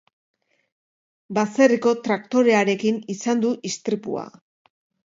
Baserriko traktorearekin izan du istripua.